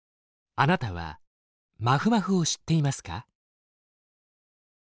あなたは「まふまふ」を知っていますか？